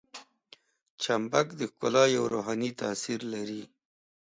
چمبک د ښکلا یو روحاني تاثیر لري.